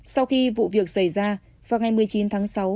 sau khi vụ việc xảy ra vào ngày một mươi chín tháng sáu